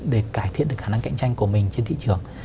để cải thiện được khả năng cạnh tranh của mình trên thị trường